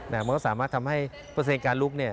มันก็สามารถทำให้เปอร์เซ็นต์การลุกเนี่ย